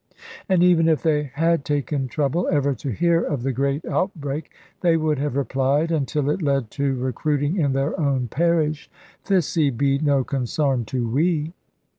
[E] And even if they had taken trouble ever to hear of the great outbreak, they would have replied (until it led to recruiting in their own parish), "Thiccy be no consarn to we."